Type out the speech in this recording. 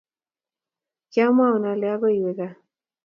ki amwoun ale akoi iwe kaa